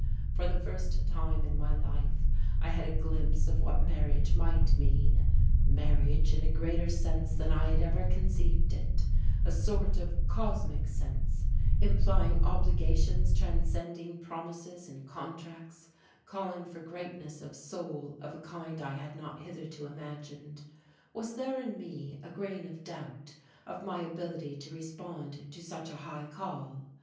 For the first time in my life I had a glimpse of what marriage might mean, marriage in a greater sense than I had ever conceived it, a sort of cosmic sense, implying obligations transcending promises and contracts, calling for greatness of soul of a kind I had not hitherto imagined. Was there in me a grain of doubt of my ability to respond to such a high call?